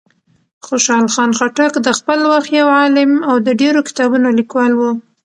خوشحال خان خټک د خپل وخت یو عالم او د ډېرو کتابونو لیکوال و.